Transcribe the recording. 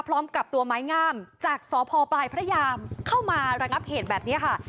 พร้อมกับตัวไม้งามจากสพปลายพระยามเข้ามาระงับเหตุแบบนี้ค่ะ